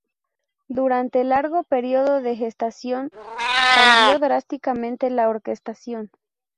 Durante el largo período de gestación, cambió drásticamente la orquestación.